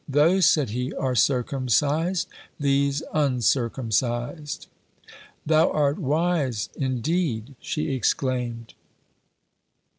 "Those," said he, "are circumcised, these uncircumcised." (43) "Thou art wise, indeed," she exclaimed.